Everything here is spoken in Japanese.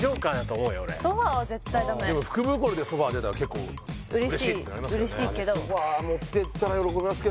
ソファは絶対ダメでも福袋でソファ出たら結構嬉しいってなりますけどね